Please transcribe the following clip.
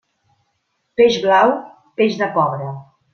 Peix blau, peix de pobre.